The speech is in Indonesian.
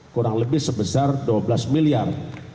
kurang lebih sebesar dua belas miliar